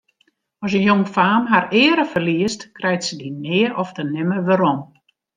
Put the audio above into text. As in jongfaam har eare ferliest, krijt se dy nea ofte nimmer werom.